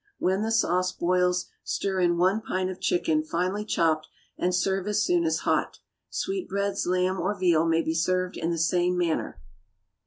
When the sauce boils, stir in one pint of chicken, finely chopped, and serve as soon as hot. Sweetbreads, lamb or veal may be served in the same manner.